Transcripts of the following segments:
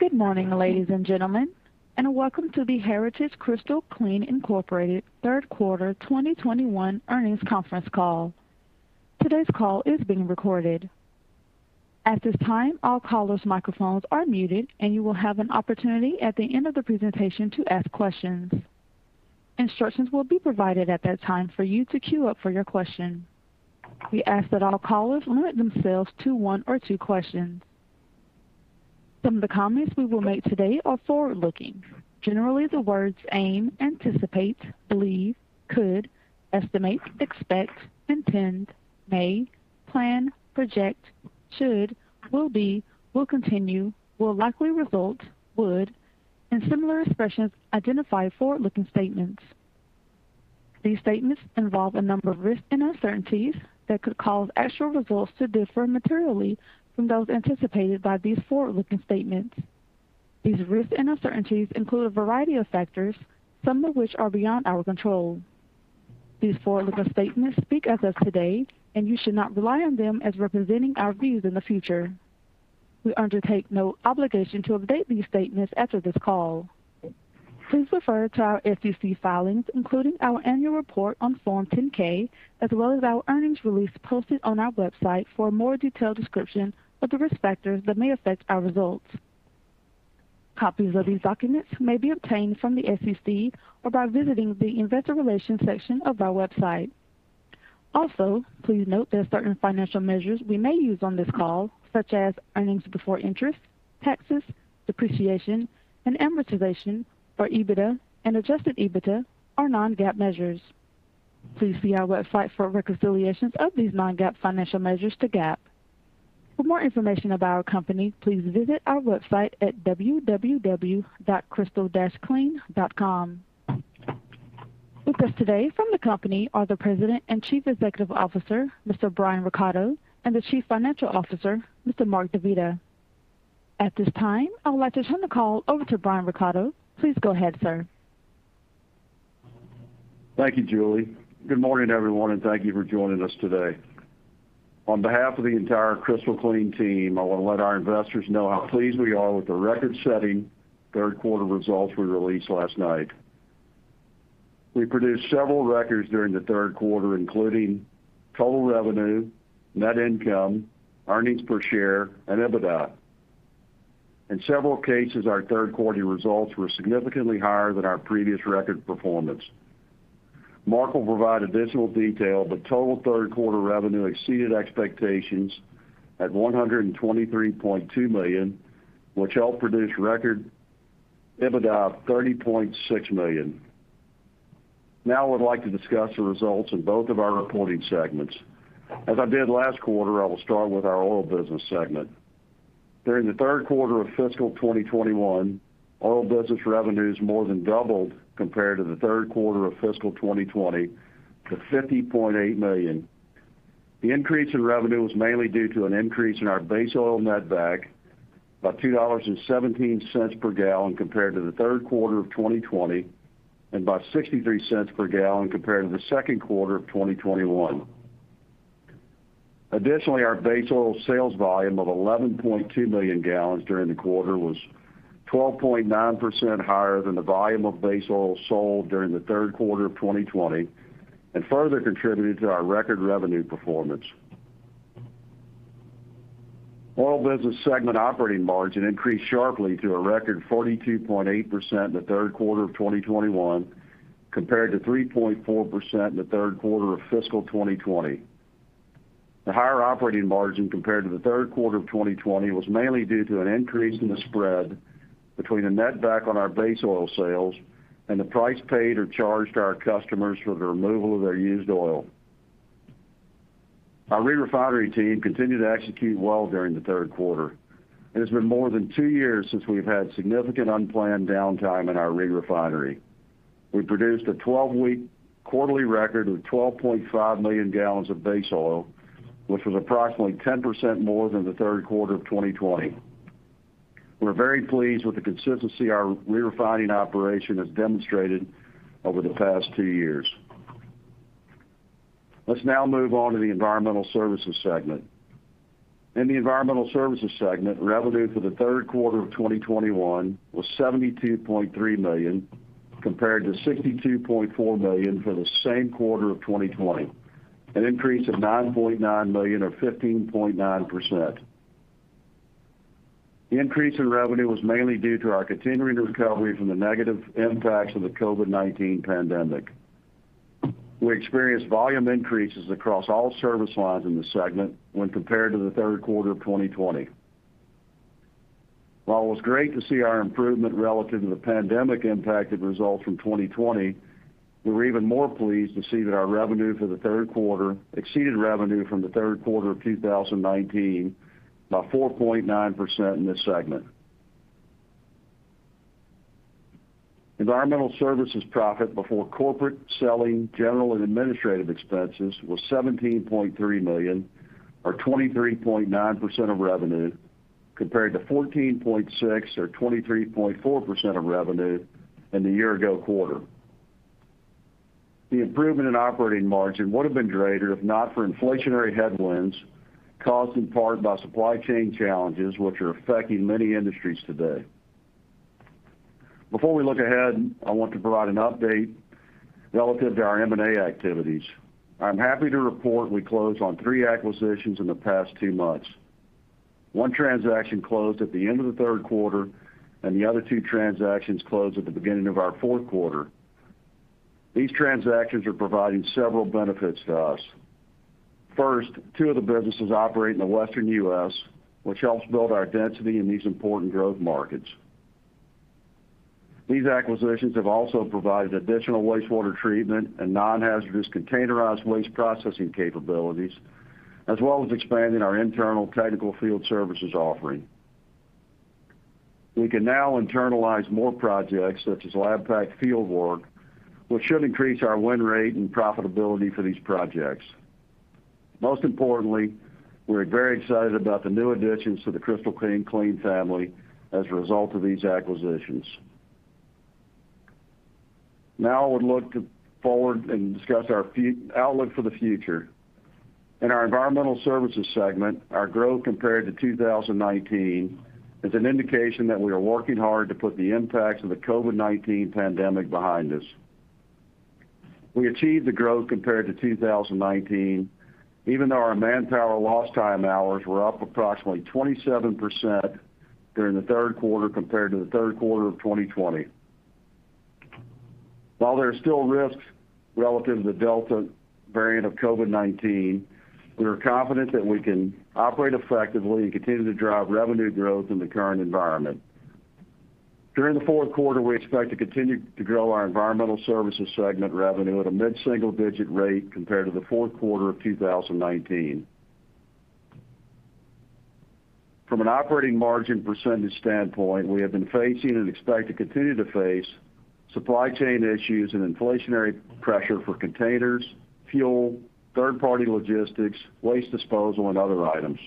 Good morning, ladies and gentlemen, and welcome to the Heritage-Crystal Clean, Incorporated third quarter 2021 earnings conference call. Today's call is being recorded. At this time, all callers' microphones are muted, and you will have an opportunity at the end of the presentation to ask questions. Instructions will be provided at that time for you to queue up for your question. We ask that all callers limit themselves to one or two questions. Some of the comments we will make today are forward-looking. Generally, the words "aim," "anticipate," "believe," "could," "estimate," "expect," "intend," "may," "plan," "project," "should," "will be," "will continue," "will likely result," "would," and similar expressions identify forward-looking statements. These statements involve a number of risks and uncertainties that could cause actual results to differ materially from those anticipated by these forward-looking statements. These risks and uncertainties include a variety of factors, some of which are beyond our control. These forward-looking statements speak as of today, and you should not rely on them as representing our views in the future. We undertake no obligation to update these statements after this call. Please refer to our SEC filings, including our annual report on Form 10-K, as well as our earnings release posted on our website for a more detailed description of the risk factors that may affect our results. Copies of these documents may be obtained from the SEC or by visiting the investor relations section of our website. Also, please note that certain financial measures we may use on this call, such as earnings before interest, taxes, depreciation, and amortization, or EBITDA, and adjusted EBITDA, are non-GAAP measures. Please see our website for reconciliations of these non-GAAP financial measures to GAAP. For more information about our company, please visit our website at www.crystal-clean.com. With us today from the company are the President and Chief Executive Officer, Mr. Brian Recatto, and the Chief Financial Officer, Mr. Mark DeVita. At this time, I would like to turn the call over to Brian Recatto. Please go ahead, sir. Thank you, Julie. Good morning, everyone, and thank you for joining us today. On behalf of the entire Crystal Clean team, I want to let our investors know how pleased we are with the record-setting third quarter results we released last night. We produced several records during the third quarter, including total revenue, net income, earnings per share, and EBITDA. In several cases, our third quarter results were significantly higher than our previous record performance. Mark will provide additional detail, but total third quarter revenue exceeded expectations at $123.2 million, which helped produce record EBITDA of $30.6 million. Now I would like to discuss the results of both of our reporting segments. As I did last quarter, I will start with our oil business segment. During the third quarter of fiscal 2021, oil business revenues more than doubled compared to the third quarter of fiscal 2020 to $50.8 million. The increase in revenue was mainly due to an increase in our base oil netback by $2.17 per gallon compared to the third quarter of 2020 and by $0.63 per gallon compared to the second quarter of 2021. Additionally, our base oil sales volume of 11.2 million gallons during the quarter was 12.9% higher than the volume of base oil sold during the third quarter of 2020 and further contributed to our record revenue performance. Oil business segment operating margin increased sharply to a record 42.8% in the third quarter of 2021 compared to 3.4% in the third quarter of fiscal 2020. The higher operating margin compared to the third quarter of 2020 was mainly due to an increase in the spread between the netback on our base oil sales and the price paid or charged to our customers for the removal of their used oil. Our re-refinery team continued to execute well during the third quarter. It has been more than two years since we've had significant unplanned downtime in our re-refinery. We produced a 12-week quarterly record of 12.5 million gallons of base oil, which was approximately 10% more than the third quarter of 2020. We're very pleased with the consistency our rerefining operation has demonstrated over the past two years. Let's now move on to the environmental services segment. In the environmental services segment, revenue for the third quarter of 2021 was $72.3 million, compared to $62.4 million for the same quarter of 2020, an increase of $9.9 million or 15.9%. The increase in revenue was mainly due to our continuing recovery from the negative impacts of the COVID-19 pandemic. We experienced volume increases across all service lines in the segment when compared to the third quarter of 2020. While it was great to see our improvement relative to the pandemic-impacted results from 2020, we were even more pleased to see that our revenue for the third quarter exceeded revenue from the third quarter of 2019 by 4.9% in this segment. Environmental services profit before corporate, selling, general and administrative expenses was $17.3 million or 23.9% of revenue, compared to $14.6 million or 23.4% of revenue in the year-ago quarter. The improvement in operating margin would have been greater if not for inflationary headwinds caused in part by supply chain challenges which are affecting many industries today. Before we look ahead, I want to provide an update relative to our M&A activities. I'm happy to report we closed on three acquisitions in the past two months. One transaction closed at the end of the third quarter, and the other two transactions closed at the beginning of our fourth quarter. These transactions are providing several benefits to us. First, two of the businesses operate in the Western U.S., which helps build our density in these important growth markets. These acquisitions have also provided additional wastewater treatment and non-haz containerized waste processing capabilities, as well as expanding our internal technical field services offering. We can now internalize more projects such as lab pack field work, which should increase our win rate and profitability for these projects. Most importantly, we're very excited about the new additions to the Crystal Clean family as a result of these acquisitions. I would look forward and discuss our outlook for the future. In our environmental services segment, our growth compared to 2019 is an indication that we are working hard to put the impacts of the COVID-19 pandemic behind us. We achieved the growth compared to 2019 even though our manpower lost time hours were up approximately 27% during the third quarter compared to the third quarter of 2020. While there are still risks relative to the Delta variant of COVID-19, we are confident that we can operate effectively and continue to drive revenue growth in the current environment. During the fourth quarter, we expect to continue to grow our environmental services segment revenue at a mid-single-digit rate compared to the fourth quarter of 2019. From an operating margin percentage standpoint, we have been facing and expect to continue to face supply chain issues and inflationary pressure for containers, fuel, third-party logistics, waste disposal, and other items.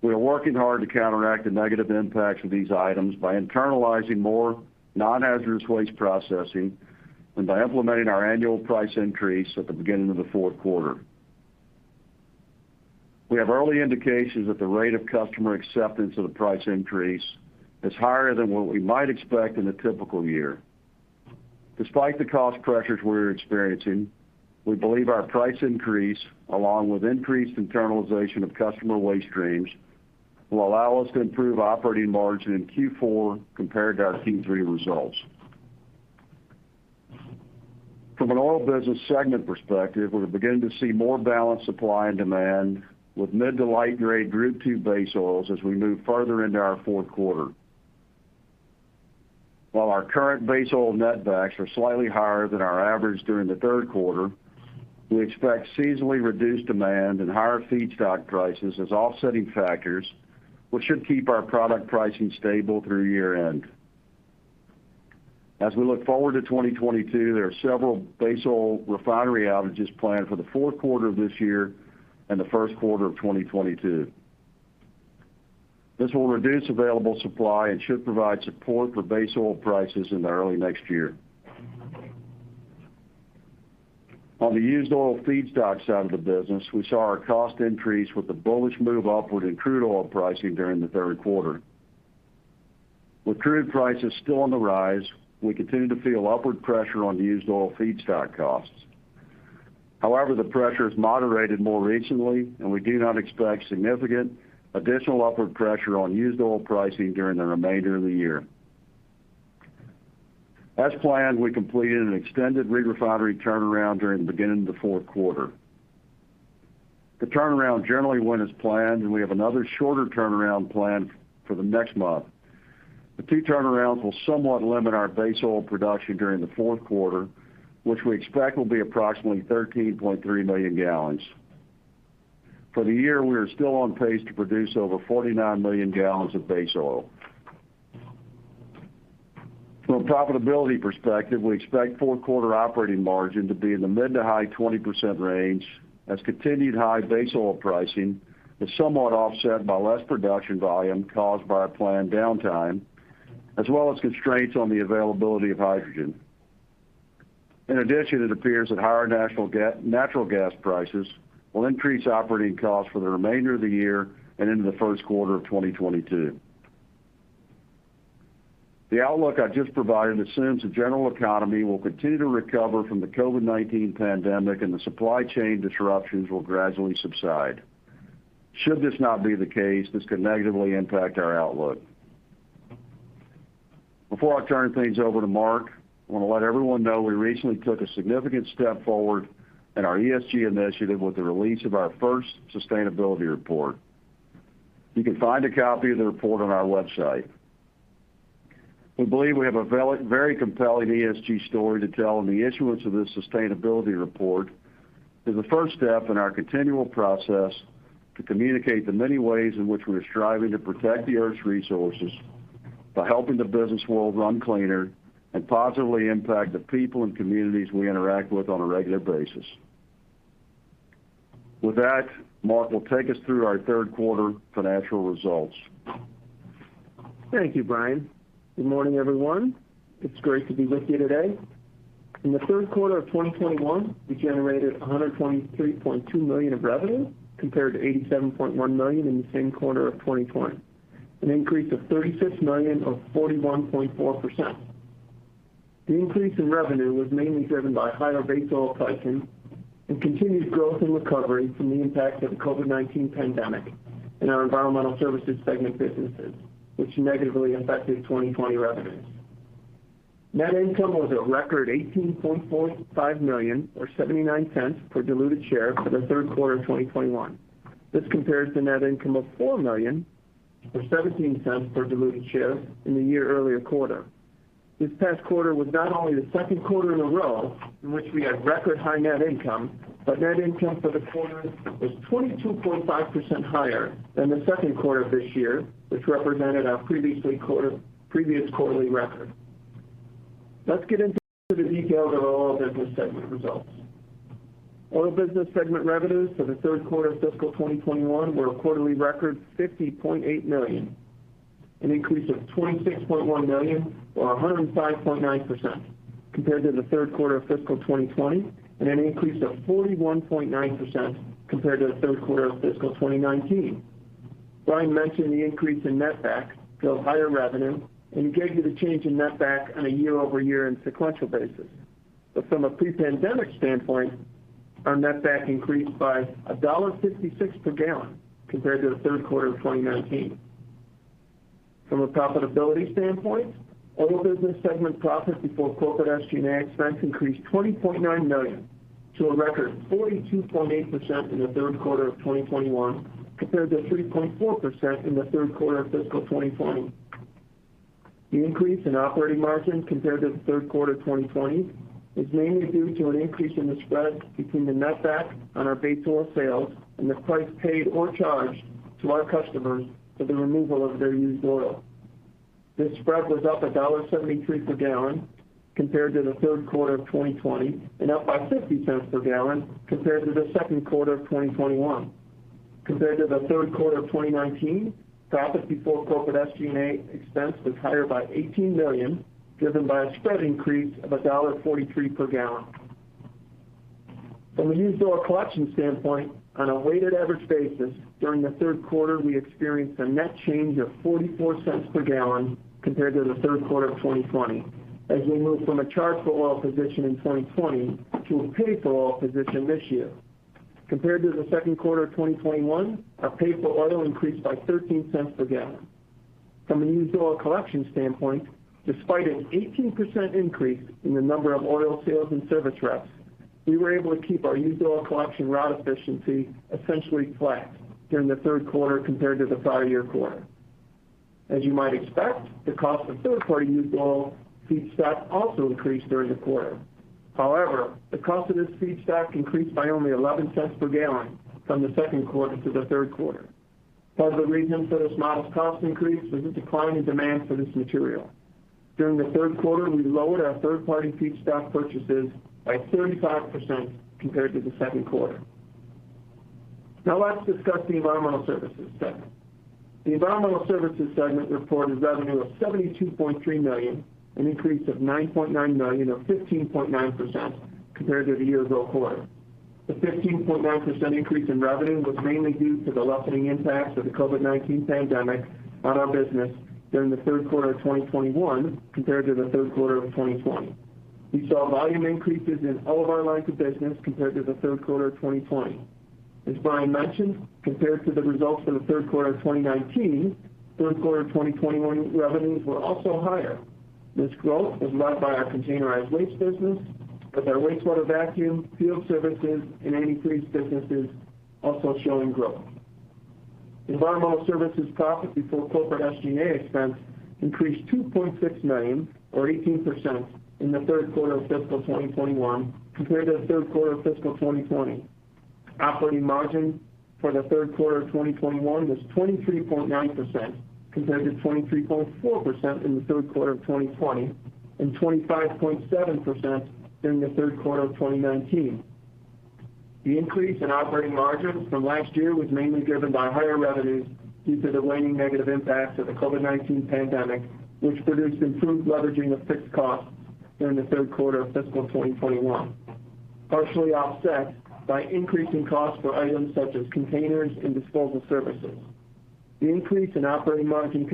We are working hard to counteract the negative impacts of these items by internalizing more non-hazardous waste processing and by implementing our annual price increase at the beginning of the fourth quarter. We have early indications that the rate of customer acceptance of the price increase is higher than what we might expect in a typical year. Despite the cost pressures we're experiencing, we believe our price increase, along with increased internalization of customer waste streams, will allow us to improve operating margin in Q4 compared to our Q3 results. From an oil business segment perspective, we're beginning to see more balanced supply and demand with mid to light grade Group II base oils as we move further into our fourth quarter. While our current base oil net backs are slightly higher than our average during the third quarter, we expect seasonally reduced demand and higher feedstock prices as offsetting factors, which should keep our product pricing stable through year-end. We look forward to 2022, there are several base oil refinery outages planned for the fourth quarter of this year and the first quarter of 2022. This will reduce available supply and should provide support for base oil prices in early next year. On the used oil feedstock side of the business, we saw our cost increase with a bullish move upward in crude oil pricing during the third quarter. With crude prices still on the rise, we continue to feel upward pressure on used oil feedstock costs. The pressure has moderated more recently, and we do not expect significant additional upward pressure on used oil pricing during the remainder of the year. As planned, we completed an extended re-refinery turnaround during the beginning of the fourth quarter. The turnaround generally went as planned, and we have another shorter turnaround planned for the next month. The two turnarounds will somewhat limit our base oil production during the fourth quarter, which we expect will be approximately 13.3 million gallons. For the year, we are still on pace to produce over 49 million gallons of base oil. From a profitability perspective, we expect fourth quarter operating margin to be in the mid to high 20% range as continued high base oil pricing is somewhat offset by less production volume caused by our planned downtime, as well as constraints on the availability of hydrogen. In addition, it appears that higher natural gas prices will increase operating costs for the remainder of the year and into the first quarter of 2022. The outlook I just provided assumes the general economy will continue to recover from the COVID-19 pandemic and the supply chain disruptions will gradually subside. Should this not be the case, this could negatively impact our outlook. Before I turn things over to Mark, I want to let everyone know we recently took a significant step forward in our ESG initiative with the release of our first sustainability report. You can find a copy of the report on our website. We believe we have a very compelling ESG story to tell, and the issuance of this sustainability report is the first step in our continual process to communicate the many ways in which we are striving to protect the Earth's resources by helping the business world run cleaner and positively impact the people and communities we interact with on a regular basis. With that, Mark will take us through our third quarter financial results. Thank you, Brian. Good morning, everyone. It's great to be with you today. In the third quarter of 2021, we generated $123.2 million of revenue compared to $87.1 million in the same quarter of 2020, an increase of $36 million or 41.4%. The increase in revenue was mainly driven by higher base oil pricing and continued growth and recovery from the impact of the COVID-19 pandemic in our environmental services segment businesses, which negatively affected 2020 revenues. Net income was a record $18.45 million or $0.79 per diluted share for the third quarter of 2021. This compares to net income of $4 million or $0.17 per diluted share in the year earlier quarter. This past quarter was not only the second quarter in a row in which we had record high net income, but net income for the quarter was 22.5% higher than the second quarter of this year, which represented our previous quarterly record. Let's get into the details of our Oil Business Segment results. Oil Business Segment revenues for the third quarter of fiscal 2021 were a quarterly record $50.8 million, an increase of $26.1 million or 105.9% compared to the third quarter of fiscal 2020, and an increase of 41.9% compared to the third quarter of fiscal 2019. Brian mentioned the increase in netback to higher revenue, and he gave you the change in netback on a year-over-year and sequential basis. But from a pre-pandemic standpoint, our netback increased by $1.56 per gallon compared to the third quarter of 2019. From a profitability standpoint, oil business segment profit before corporate SG&A expense increased $20.9 million to a record 42.8% in the third quarter of 2021 compared to 3.4% in the third quarter of fiscal 2020. The increase in operating margin compared to the third quarter 2020 is mainly due to an increase in the spread between the netback on our base oil sales and the price paid or charged to our customers for the removal of their used oil. This spread was up $1.73 per gallon compared to the third quarter of 2020, and up by $0.50 per gallon compared to the second quarter of 2021. Compared to the third quarter of 2019, profits before corporate SG&A expense was higher by $18 million, driven by a spread increase of $1.43 per gallon. From a used oil collection standpoint, on a weighted average basis, during the third quarter, we experienced a net change of $0.44 per gallon compared to the third quarter of 2020 as we moved from a charge for oil position in 2020 to a pay for oil position this year. Compared to the second quarter of 2021, our pay for oil increased by $0.13 per gallon. From a used oil collection standpoint, despite an 18% increase in the number of oil sales and service reps, we were able to keep our used oil collection route efficiency essentially flat during the third quarter compared to the prior year quarter. As you might expect, the cost of third-party used oil feedstock also increased during the quarter. However, the cost of this feedstock increased by only $0.11 per gallon from the second quarter to the third quarter. Part of the reason for this modest cost increase was a decline in demand for this material. During the third quarter, we lowered our third-party feedstock purchases by 35% compared to the second quarter. Let's discuss the environmental services segment. The environmental services segment reported revenue of $72.3 million, an increase of $9.9 million or 15.9% compared to the year ago quarter. The 15.9% increase in revenue was mainly due to the lessening impacts of the COVID-19 pandemic on our business during the third quarter of 2021 compared to the third quarter of 2020. We saw volume increases in all of our lines of business compared to the third quarter of 2020. As Brian mentioned, compared to the results for the third quarter of 2019, third quarter 2021 revenues were also higher. This growth was led by our containerized waste business, with our wastewater vacuum, field services, and 83's businesses also showing growth. Environmental services profit before corporate SG&A expense increased $2.6 million or 18% in the third quarter of fiscal 2021 compared to the third quarter of fiscal 2020. Operating margin for the third quarter of 2021 was 23.9% compared to 23.4% in the third quarter of 2020 and 25.7% during the third quarter of 2019. The increase in operating margin from last year was mainly driven by higher revenues due to the waning negative impacts of the COVID-19 pandemic, which produced improved leveraging of fixed costs during the third quarter of fiscal 2021, partially offset by increasing costs for items such as containers and disposal services. The decrease in operating margin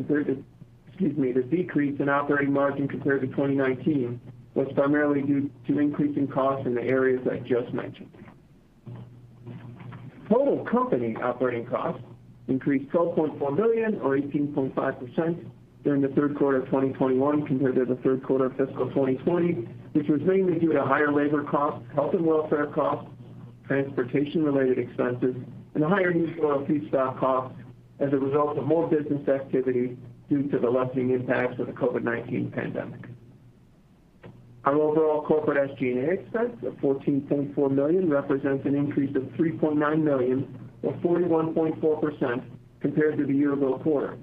compared to 2019 was primarily due to increasing costs in the areas I just mentioned. Total company operating costs increased $12.4 million or 18.5% during the third quarter of 2021 compared to the third quarter of fiscal 2020, which was mainly due to higher labor costs, health and welfare costs, transportation related expenses, and higher used oil feedstock costs as a result of more business activity due to the lessening impacts of the COVID-19 pandemic. Our overall corporate SG&A expense of $14.4 million represents an increase of $3.9 million or 41.4% compared to the year ago quarter.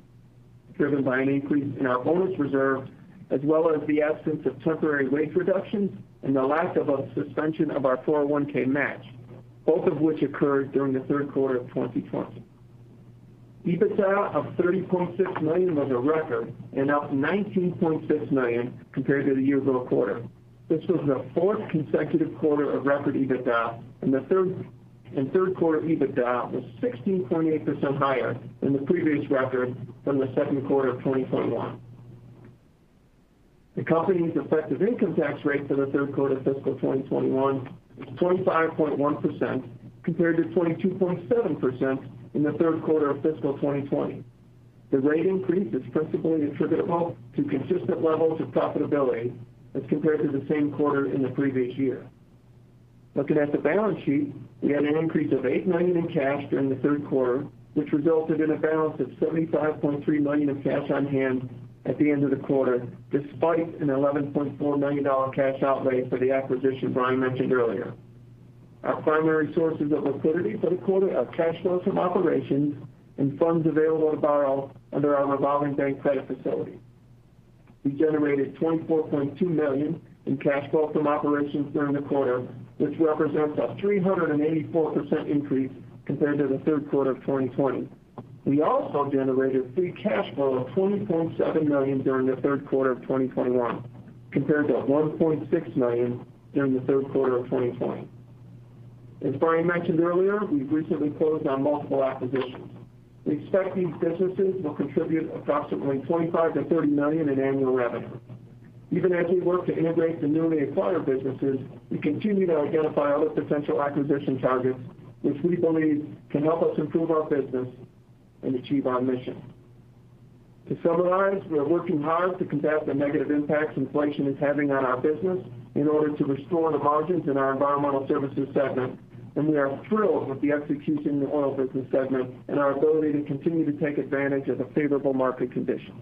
Driven by an increase in our bonus reserve, as well as the absence of temporary wage reductions and the lack of a suspension of our 401(k) match, both of which occurred during the third quarter of 2020. EBITDA of $30.6 million was a record and up $19.6 million compared to the year-ago quarter. This was the fourth consecutive quarter of record EBITDA. Third quarter EBITDA was 16.8% higher than the previous record from the second quarter of 2021. The company's effective income tax rate for the third quarter of fiscal 2021 was 25.1% compared to 22.7% in the third quarter of fiscal 2020. The rate increase is principally attributable to consistent levels of profitability as compared to the same quarter in the previous year. Looking at the balance sheet, we had an increase of $8 million in cash during the third quarter, which resulted in a balance of $75.3 million of cash on hand at the end of the quarter, despite an $11.4 million cash outlay for the acquisition Brian mentioned earlier. Our primary sources of liquidity for the quarter are cash flows from operations and funds available to borrow under our revolving bank credit facility. We generated $24.2 million in cash flow from operations during the quarter, which represents a 384% increase compared to the third quarter of 2020. We also generated free cash flow of $20.7 million during the third quarter of 2021 compared to $1.6 million during the third quarter of 2020. As Brian mentioned earlier, we've recently closed on multiple acquisitions. We expect these businesses will contribute approximately $25 million-$30 million in annual revenue. Even as we work to integrate the newly acquired businesses, we continue to identify other potential acquisition targets, which we believe can help us improve our business and achieve our mission. To summarize, we are working hard to combat the negative impacts inflation is having on our business in order to restore the margins in our Environmental Services segment, and we are thrilled with the execution in the Oil Business segment and our ability to continue to take advantage of the favorable market conditions.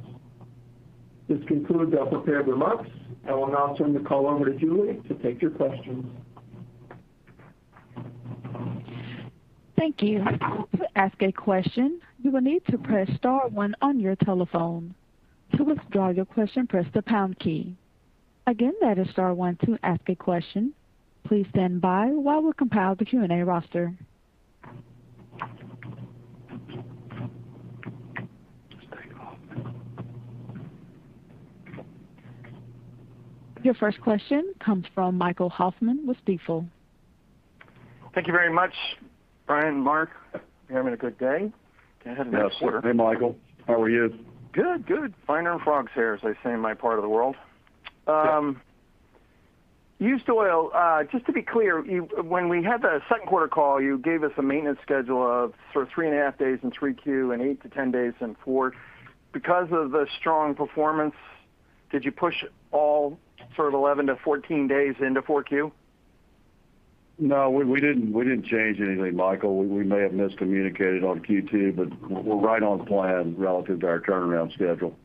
This concludes our prepared remarks. I will now turn the call over to Julie to take your questions. Thank you. To ask a question, you will need to press star one on your telephone. To withdraw your question, press the pound key. Again, that is star one to ask a question. Please stand by while we compile the Q&A roster. Your first question comes from Michael Hoffman with Stifel. Thank you very much. Brian, Mark, you having a good day? Go ahead and get started. Yes. Hey, Michael. How are you? Good. Fine and frog's hairs, I say in my part of the world. Yeah. Used oil, just to be clear, when we had the second quarter call, you gave us a maintenance schedule of three and a half days in 3Q and eight to 10 days in fourth. Because of the strong performance, did you push all 11 to 14 days into 4Q? No, we didn't change anything, Michael. We may have miscommunicated on Q2, but we're right on plan relative to our turnaround schedule.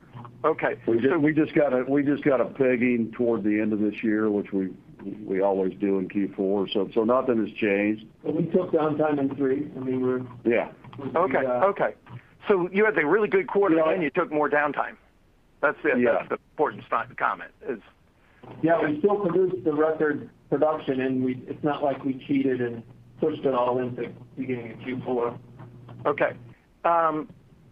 Okay. We just got it pegging toward the end of this year, which we always do in Q4. Nothing has changed. We took downtime in three. Yeah. Okay. you had a really good quarter. Yeah. You took more downtime. That's it. Yeah. That's the important comment is. Yeah. We still produced the record production. It's not like we cheated and pushed it all into beginning of Q4. Okay.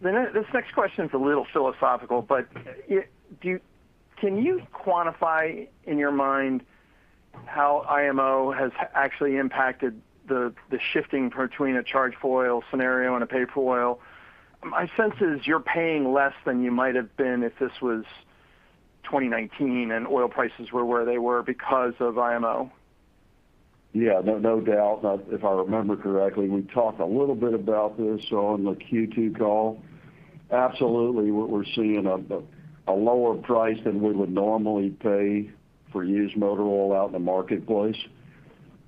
This next question's a little philosophical, but can you quantify in your mind how IMO has actually impacted the shifting between a charge for oil scenario and a pay for oil? My sense is you're paying less than you might have been if this was 2019 and oil prices were where they were because of IMO. Yeah. No doubt. If I remember correctly, we talked a little bit about this on the Q2 call. Absolutely, we're seeing a lower price than we would normally pay for used motor oil out in the marketplace.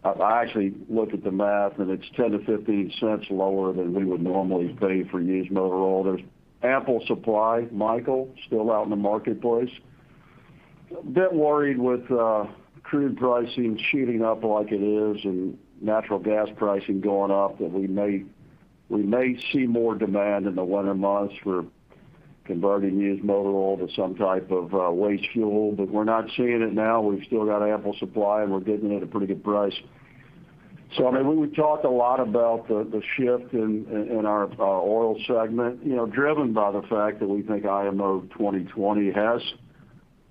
I actually looked at the math, it's $0.10-$0.15 lower than we would normally pay for used motor oil. There's ample supply, Michael, still out in the marketplace. A bit worried with crude pricing shooting up like it is and natural gas pricing going up that we may see more demand in the winter months for converting used motor oil to some type of waste fuel. We're not seeing it now. We've still got ample supply, and we're getting it at a pretty good price. I mean, we've talked a lot about the shift in our oil segment, driven by the fact that we think IMO 2020 has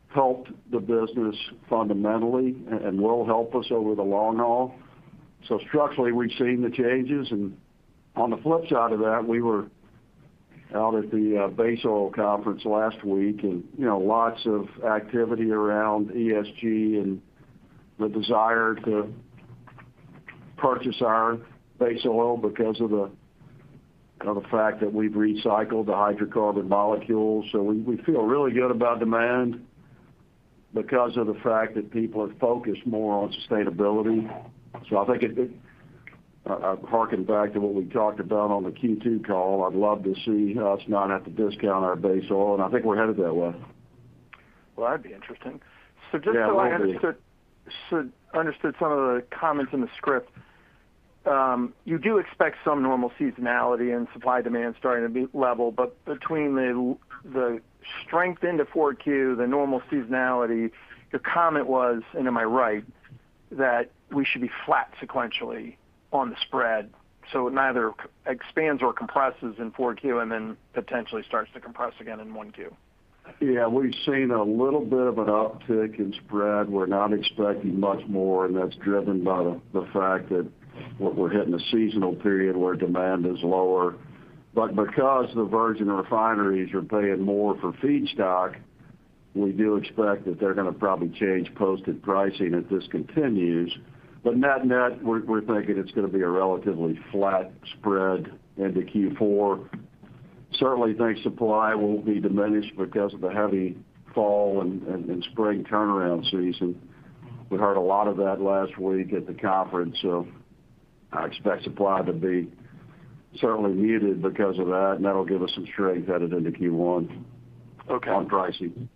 helped the business fundamentally and will help us over the long haul. Structurally, we've seen the changes, and on the flip side of that, we were out at the base oil conference last week and lots of activity around ESG and the desire to purchase our base oil because of the fact that we've recycled the hydrocarbon molecules. We feel really good about demand because of the fact that people are focused more on sustainability. I think it hearkens back to what we talked about on the Q2 call. I'd love to see us not have to discount our base oil, and I think we're headed that way. Well, that'd be interesting. Yeah, it will be. Just so I understood some of the comments in the script. You do expect some normal seasonality and supply demand starting to be level, but between the strength into 4Q, the normal seasonality, your comment was, and am I right, that we should be flat sequentially on the spread, so it neither expands or compresses in 4Q and then potentially starts to compress again in 1Q? Yeah. We've seen a little bit of an uptick in spread. We're not expecting much more. That's driven by the fact that what we're hitting a seasonal period where demand is lower. Because the virgin refineries are paying more for feedstock, we do expect that they're going to probably change posted pricing if this continues. Net net, we're thinking it's going to be a relatively flat spread into Q4. Certainly, I think supply will be diminished because of the heavy fall and spring turnaround season. We heard a lot of that last week at the conference. I expect supply to be certainly muted because of that. That'll give us some strength headed into Q1 on pricing.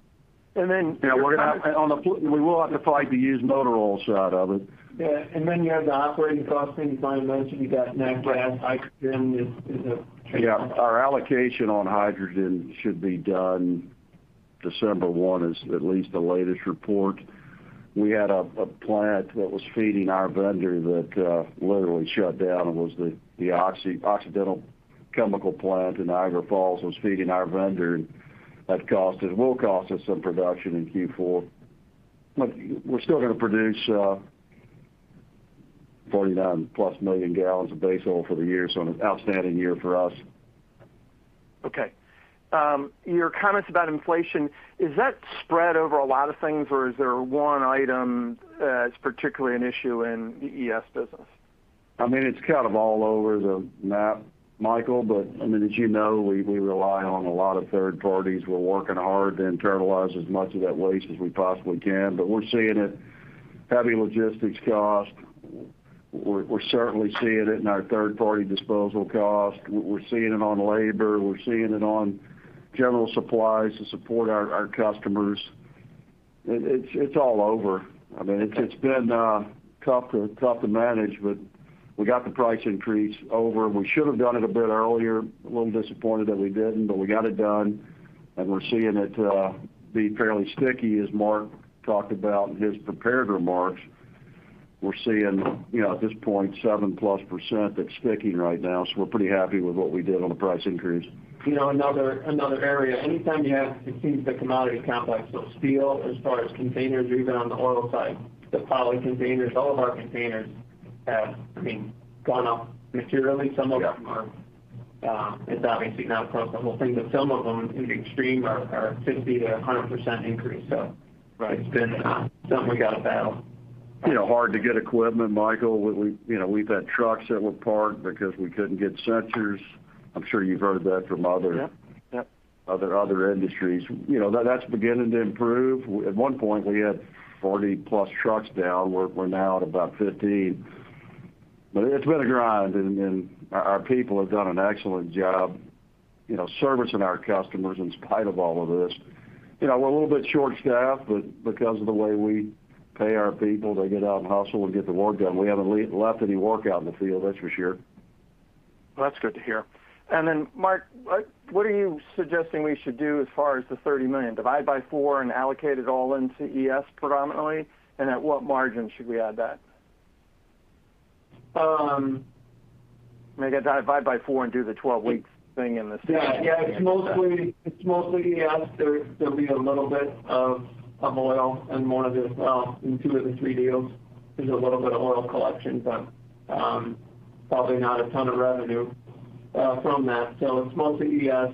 And then? We will have to fight the used motor oil side of it. Yeah. Then you have the operating costs things I mentioned. You got nat gas, hydrogen. Our allocation on hydrogen should be done December 1 is at least the latest report. We had a plant that was feeding our vendor that literally shut down. It was the Occidental Chemical plant in Niagara Falls was feeding our vendor. That will cost us some production in Q4. We're still going to produce 49+ million gallons of base oil for the year. An outstanding year for us. Okay. Your comments about inflation, is that spread over a lot of things, or is there one item that's particularly an issue in the ES business? It's kind of all over the map, Michael, as you know, we rely on a lot of third parties. We're working hard to internalize as much of that waste as we possibly can. We're seeing it, heavy logistics cost. We're certainly seeing it in our third-party disposal cost. We're seeing it on labor. We're seeing it on general supplies to support our customers. It's all over. It's been tough to manage, we got the price increase over. We should have done it a bit earlier, a little disappointed that we didn't, we got it done, we're seeing it be fairly sticky, as Mark talked about in his prepared remarks. We're seeing at this point, 7%+ that's sticking right now, we're pretty happy with what we did on the price increase. Another area, anytime you have to change the commodity complex of steel as far as containers or even on the oil side, the poly containers, all of our containers have gone up materially. It's obviously not across the whole thing, but some of them in extreme are 50%-100% increase. Right. It's been something we've got to battle. Hard to get equipment, Michael. We've had trucks that were parked because we couldn't get sensors. I'm sure you've heard that from other industries. That's beginning to improve. At one point, we had 40+ trucks down. We're now at about 15. It's been a grind, and our people have done an excellent job servicing our customers in spite of all of this. We're a little bit short-staffed, but because of the way we pay our people, they get out and hustle and get the work done. We haven't left any work out in the field, that's for sure. That's good to hear. Mark, what are you suggesting we should do as far as the $30 million? Divided by four and allocate it all into ES predominantly? At what margin should we add that? Maybe divided by four and do the 12 weeks thing in the. Yeah. It's mostly ES. There'll be a little bit of oil in two of the three deals, there's a little bit of oil collection, but probably not a ton of revenue from that. It's mostly ES.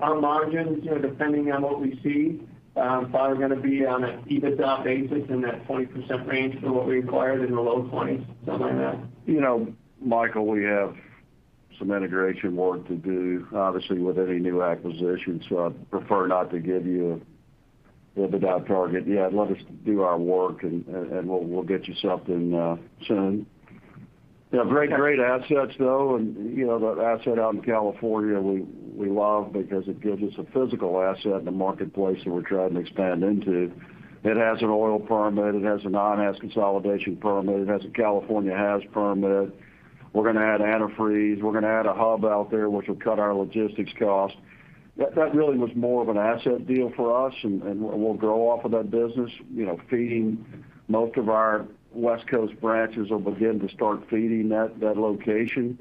Our margins, depending on what we see, probably going to be on an EBITDA basis in that 20% range for what we acquired in the low 20s, something like that. Michael, we have some integration work to do, obviously, with any new acquisition, so I'd prefer not to give you an EBITDA target yet. Let us do our work, and we'll get you something soon. Great assets, though. That asset out in California we love because it gives us a physical asset in the marketplace that we're trying to expand into. It has an oil permit. It has a non-haz consolidation permit. It has a California haz permit. We're going to add antifreeze. We're going to add a hub out there, which will cut our logistics cost. That really was more of an asset deal for us, and we'll grow off of that business, feeding most of our West Coast branches will begin to start feeding that location,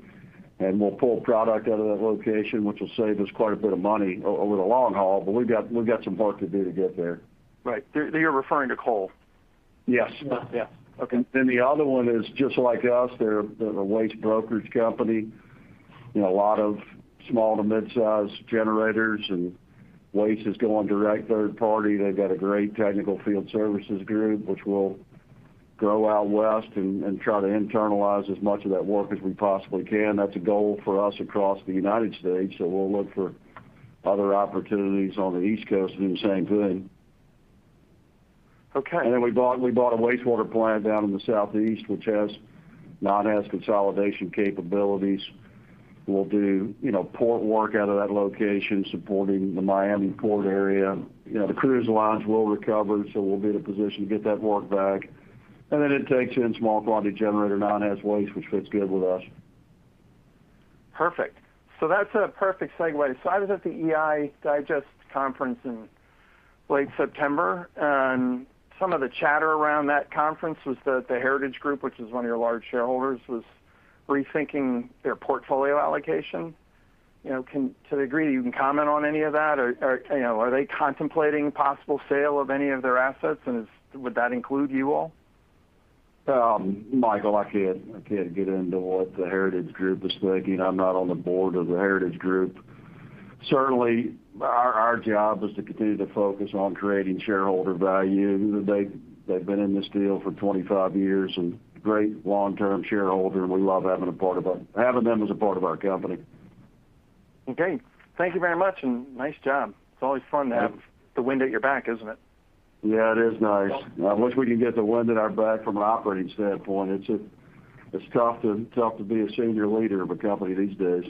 and we'll pull product out of that location, which will save us quite a bit of money over the long haul. We've got some work to do to get there. Right. You're referring to Cole? Yes. Yeah. Okay. The other one is just like us. They're a waste brokerage company. A lot of small to midsize generators, and waste is going direct third party. They've got a great technical field services group, which we'll grow out west and try to internalize as much of that work as we possibly can. That's a goal for us across the U.S. We'll look for other opportunities on the East Coast to do the same thing. Okay. We bought a wastewater plant down in the southeast, which now has consolidation capabilities. We'll do port work out of that location supporting the Miami port area. The cruise lines will recover, so we'll be in a position to get that work back. It takes in small quantity generator, non-haz waste, which fits good with us. Perfect. That's a perfect segue. I was at the EI Digest conference in late September, and some of the chatter around that conference was that The Heritage Group, which is one of your large shareholders, was rethinking their portfolio allocation. To the degree that you can comment on any of that, are they contemplating possible sale of any of their assets, and would that include you all? Michael, I can't get into what The Heritage Group is thinking. I'm not on the board of The Heritage Group. Our job is to continue to focus on creating shareholder value. They've been in this deal for 25 years, and great long-term shareholder, and we love having them as a part of our company. Okay. Thank you very much, and nice job. It's always fun to have the wind at your back, isn't it? Yeah, it is nice. I wish we could get the wind at our back from an operating standpoint. It's tough to be a senior leader of a company these days.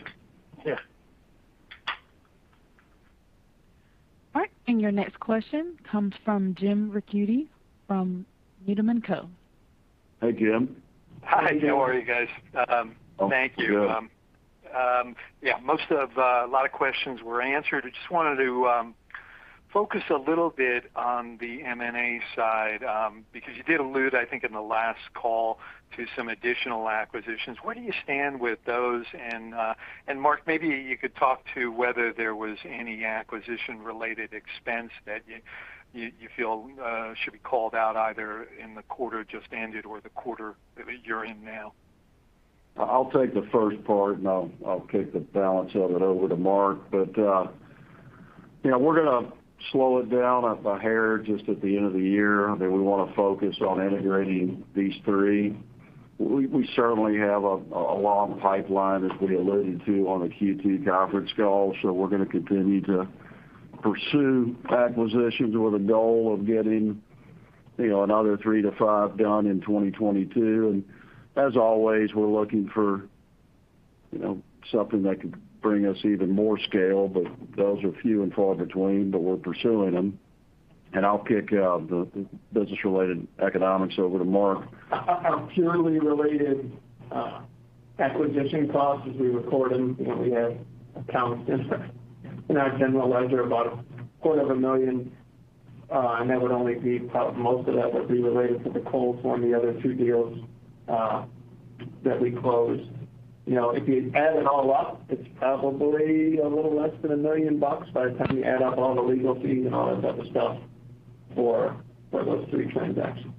Yeah. All right. Your next question comes from Jim Ricchiuti from Needham & Co. Hey, Jim. Hi. How are you guys? I'm good. Thank you. Yeah, most of a lot of questions were answered. I just wanted to focus a little bit on the M&A side. You did allude, I think, in the last call to some additional acquisitions. Where do you stand with those? Mark, maybe you could talk to whether there was any acquisition-related expense that you feel should be called out, either in the quarter just ended or the quarter that you're in now. I'll take the first part. I'll kick the balance of it over to Mark. We're going to slow it down a hair just at the end of the year. I think we want to focus on integrating these three. We certainly have a long pipeline, as we alluded to on the Q2 conference call. We're going to continue to pursue acquisitions with a goal of getting another three to five done in 2022. As always, we're looking for something that could bring us even more scale, but those are few and far between, but we're pursuing them. I'll kick the business-related economics over to Mark. Our purely related acquisition costs, as we record them, we have accounts in our general ledger, about a quarter of a million. Most of that would be related to the Cole's, the other two deals that we closed. If you add it all up, it's probably a little less than $1 million by the time you add up all the legal fees and all that type of stuff for those three transactions.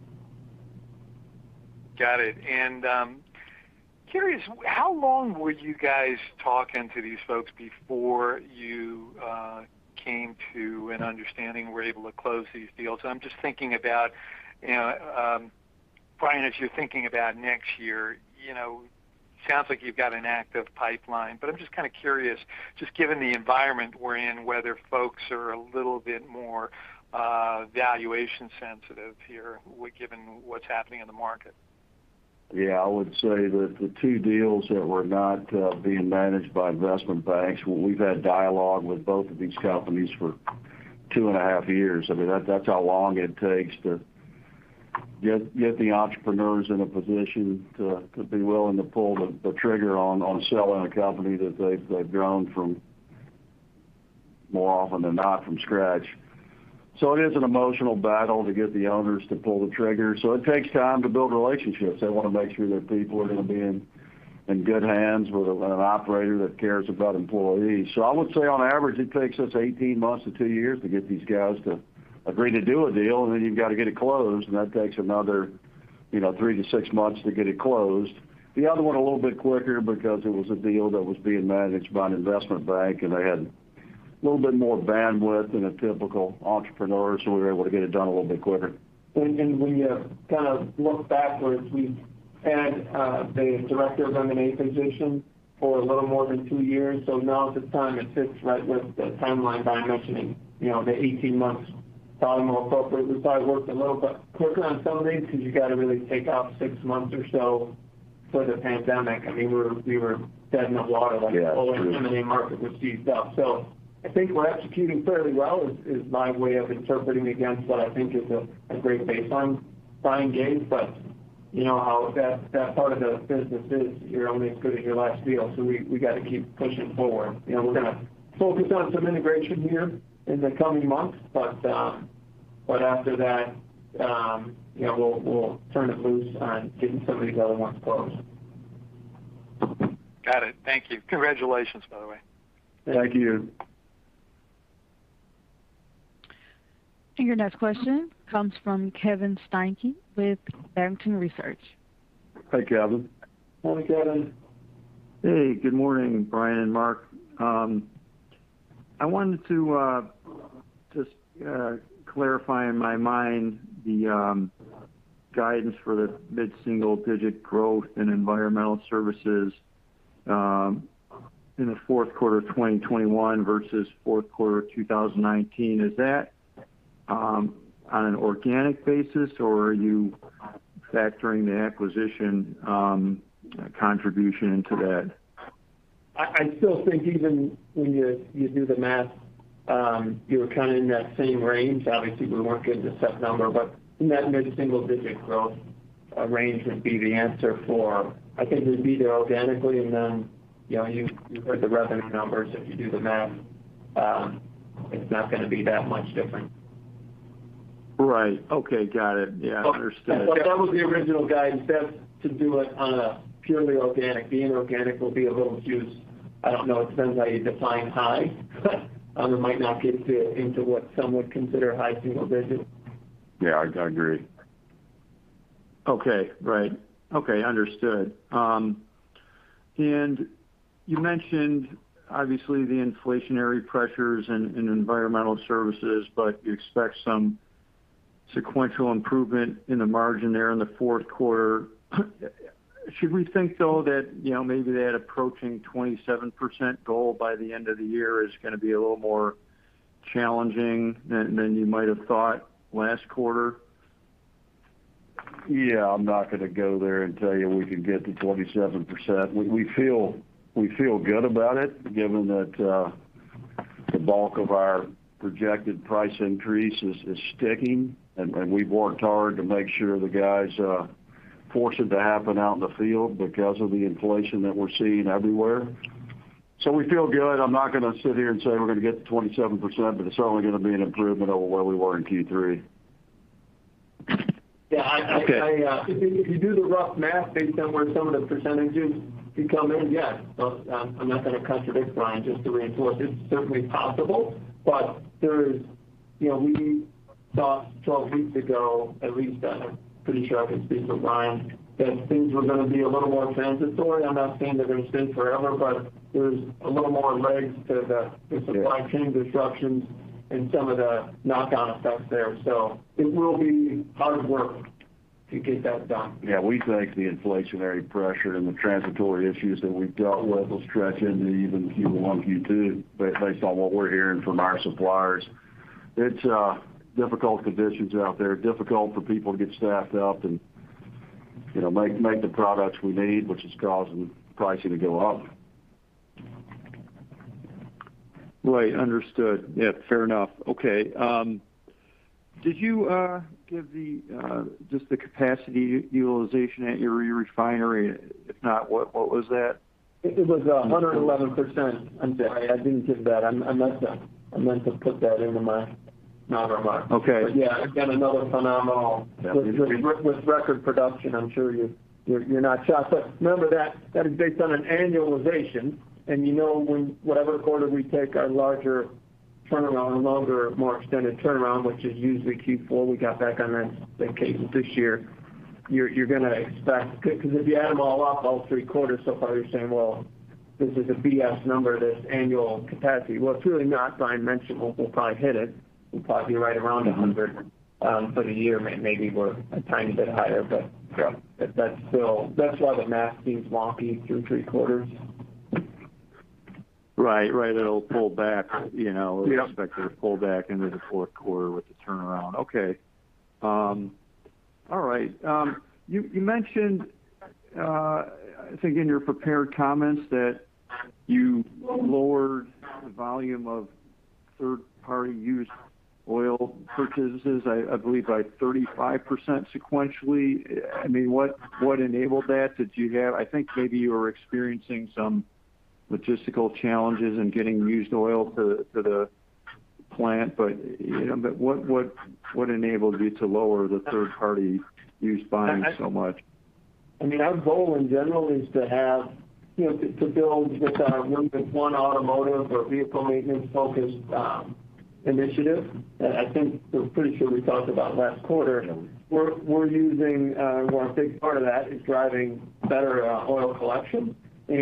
Got it. Curious, how long were you guys talking to these folks before you came to an understanding and were able to close these deals? I'm just thinking about, Brian, as you're thinking about next year, sounds like you've got an active pipeline, I'm just kind of curious, just given the environment we're in, whether folks are a little bit more valuation sensitive here, given what's happening in the market. Yeah, I would say that the two deals that were not being managed by investment banks, we've had dialogue with both of these companies for 2.5 years. I mean, that's how long it takes to get the entrepreneurs in a position to be willing to pull the trigger on selling a company that they've grown from, more often than not, from scratch. It is an emotional battle to get the owners to pull the trigger. It takes time to build relationships. They want to make sure their people are going to be in good hands with an operator that cares about employees. I would say on average, it takes us 18 months to two years to get these guys to agree to do a deal, and then you've got to get it closed, and that takes another three to six months to get it closed. The other one a little bit quicker because it was a deal that was being managed by an investment bank, and they had a little bit more bandwidth than a typical entrepreneur, so we were able to get it done a little bit quicker. We kind of look backwards. We've had the director of M&A position for a little more than two years. Now at this time, it fits right with the timeline Brian mentioned. The 18 months is probably more appropriate. We probably worked a little bit quicker on some of these because you got to really take out six months or so for the pandemic. I mean, we were dead in the water. Yeah, true. The whole M&A market was seized up. I think we're executing fairly well, is my way of interpreting against what I think is a great baseline, Brian gave. You know how that part of the business is, you're only as good as your last deal. We got to keep pushing forward. We're going to focus on some integration here in the coming months, after that we'll turn it loose on getting some of these other ones closed. Got it. Thank you. Congratulations, by the way. Thank you. Your next question comes from Kevin Steinke with Barrington Research. Hi, Kevin. Morning, Kevin. Hey, good morning, Brian and Mark. I wanted to just clarify in my mind the Guidance for the mid-single-digit growth in environmental services in the fourth quarter of 2021 versus fourth quarter of 2019. Is that on an organic basis, or are you factoring the acquisition contribution into that? I still think even when you do the math, you're kind of in that same range. Obviously, we weren't given the set number, but in that mid-single-digit growth range would be the answer. I think we'd be there organically, and then, you've heard the revenue numbers. If you do the math, it's not going to be that much different. Right. Okay. Got it. Yeah. Understood. That was the original guidance. That's to do it on a purely organic. Being organic will be a little huge. I don't know. It depends how you define high. It might not get into what some would consider high single digits. Yeah, I agree. Okay. Right. Okay, understood. You mentioned, obviously, the inflationary pressures in environmental services, but you expect some sequential improvement in the margin there in the fourth quarter. Should we think, though, that maybe that approaching 27% goal by the end of the year is going to be a little more challenging than you might have thought last quarter? I'm not going to go there and tell you we can get to 27%. We feel good about it given that the bulk of our projected price increase is sticking, and we've worked hard to make sure the guys force it to happen out in the field because of the inflation that we're seeing everywhere. We feel good. I'm not going to sit here and say we're going to get to 27%. It's only going to be an improvement over where we were in Q3. Yeah. Okay. If you do the rough math based on where some of the percentages could come in, yes. I'm not going to contradict Brian. Just to reinforce, it's certainly possible, but we thought 12 weeks ago, at least, I'm pretty sure I can speak for Brian, that things were going to be a little more transitory. I'm not saying they're going to stay forever, but there's a little more legs to the supply chain disruptions and some of the knock-on effects there. It will be hard work to get that done. We think the inflationary pressure and the transitory issues that we've dealt with will stretch into even Q1, Q2, based on what we're hearing from our suppliers. It's difficult conditions out there, difficult for people to get staffed up and make the products we need, which is causing pricing to go up. Right. Understood. Yeah, fair enough. Okay. Did you give just the capacity utilization at your refinery? If not, what was that? It was 111%. I'm sorry, I didn't give that. I meant to put that into my remarks. Okay. Yeah, again, another phenomenal. Yeah. With record production. I'm sure you're not shocked, but remember that is based on an annualization, and you know whatever quarter we take our larger turnaround, longer, more extended turnaround, which is usually Q4, we got back on that schedule this year. You're going to expect because if you add them all up, all three quarters so far, you're saying, "Well, this is a BS number, this annual capacity." Well, it's really not. Brian mentioned we'll probably hit it. We'll probably be right around 100. For the year, maybe we're a tiny bit higher. Yeah. That's why the math seems wonky through three quarters. Right. It'll pull back. Yeah. Expect it to pull back into the fourth quarter with the turnaround. Okay. All right. You mentioned, I think in your prepared comments, that you lowered the volume of third-party used oil purchases, I believe by 35% sequentially. What enabled that? I think maybe you were experiencing some logistical challenges in getting used oil to the plant. What enabled you to lower the third-party used buying so much? Our goal, in general, is to build with our Win with One automotive or vehicle maintenance-focused initiative. I think, I'm pretty sure we talked about last quarter. Yeah. A big part of that is driving better oil collection. I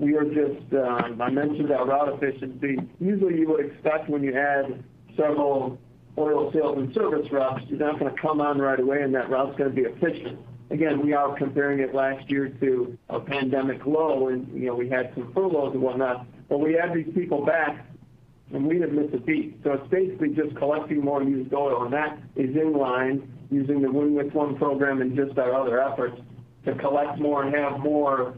mentioned our route efficiency. Usually, you would expect when you add several oil sales and service reps, you're not going to come on right away and that route's going to be efficient. Again, we are comparing it last year to a pandemic low, and we had some furloughs and whatnot, but we add these people back, and we have missed a beat. It's basically just collecting more used oil, and that is in line using the Win with One program and just our other efforts to collect more and have more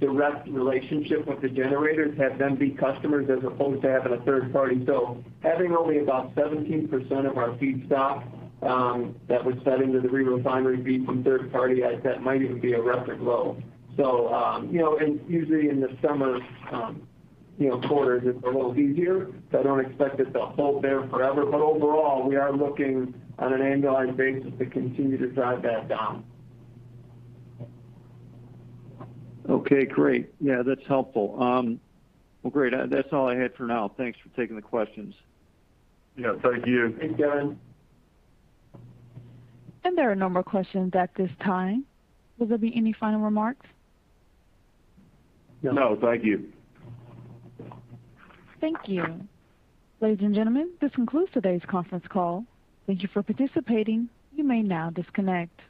direct relationship with the generators, have them be customers as opposed to having a third party. Having only about 17% of our feedstock that was fed into the re-refinery feed from third party, that might even be a record low. Usually in the summer quarter, it's a little easier, so I don't expect it to hold there forever. Overall, we are looking on an annualized basis to continue to drive that down. Great. That's helpful. Well, great. That's all I had for now. Thanks for taking the questions. Yeah, thank you. Thanks, Kevin. There are no more questions at this time. Will there be any final remarks? No, thank you. Thank you. Ladies and gentlemen, this concludes today's conference call. Thank you for participating. You may now disconnect.